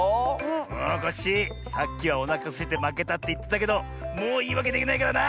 おっコッシーさっきはおなかすいてまけたっていってたけどもういいわけできないからな！